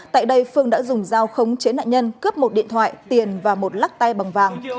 tại đây phương đã dùng dao khống chế nạn nhân cướp một điện thoại tiền và một lắc tay bằng vàng